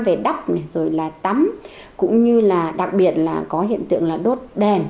về đắp này rồi là tắm cũng như là đặc biệt là có hiện tượng là đốt đèn